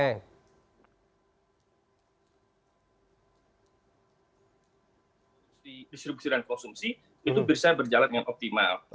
nah maka itu maka kita mendorong konsumsi masyarakat melalui belanja pemberitaan yang ditingkatkan